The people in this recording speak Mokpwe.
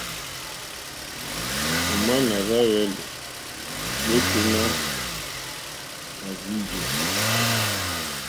Òmá nà rzá hwɛ̄lɛ̀ yêténá à rzí jè.